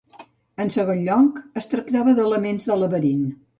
En segon lloc, es tractava d'elements de laberint.